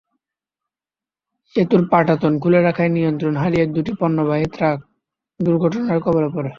সেতুর পাটাতন খুলে রাখায় নিয়ন্ত্রণ হারিয়ে দুটি পণ্যবাহী ট্রাক দুর্ঘটনার কবলে পড়ে।